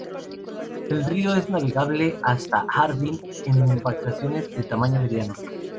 El río es navegable hasta Harbin, en embarcaciones de tamaño mediano.